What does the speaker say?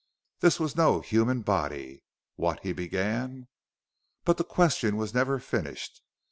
This was no human body! "What " he began. But the question was never finished.